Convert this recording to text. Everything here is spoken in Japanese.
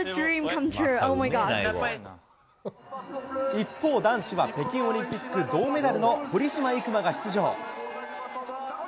一方、男子は北京オリンピック銅メダルの堀島行真が出場。